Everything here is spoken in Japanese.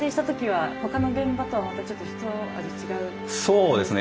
そうですね。